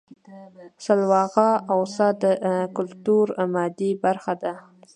سلواغه او څا د کولتور مادي برخه ده